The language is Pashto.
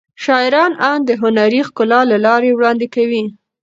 شاعران اند د هنري ښکلا له لارې وړاندې کوي.